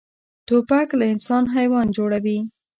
توپک له انسان حیوان جوړوي.